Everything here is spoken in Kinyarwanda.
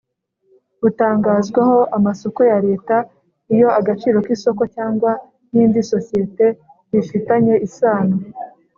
rutangazwaho amasoko ya Leta iyo agaciro k’isoko cyangwa y’indi sosiyete bifitanye isano.